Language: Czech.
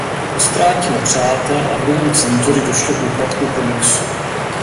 Po ztrátě nepřátel a vlivem cenzury došlo k úpadku komiksu.